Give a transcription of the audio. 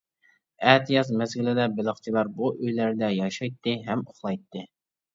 ئەتىياز مەزگىلىدە بېلىقچىلار بۇ ئۆيلەردە ياشايتتى ھەم ئۇخلايتتى.